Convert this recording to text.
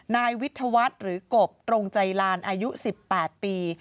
นายวิทยาวัฒน์หรือกบตรงใจลานอายุ๑๘ปี